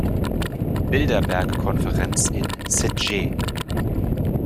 Bilderberg-Konferenz in Sitges.